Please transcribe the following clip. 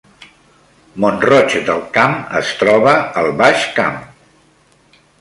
Mont-roig del Camp es troba al Baix Camp